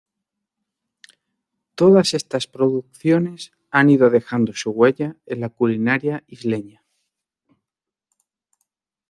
Todas estas producciones han ido dejando su huella en la culinaria isleña.